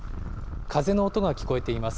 風の音が聞こえています。